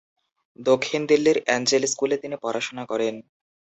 দক্ষিণ দিল্লির অ্যাঞ্জেল স্কুলে তিনি পড়াশোনা করেন।